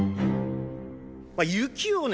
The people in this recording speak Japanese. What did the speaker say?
雪をね